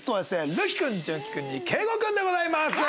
瑠姫君純喜君に景瑚君でございます。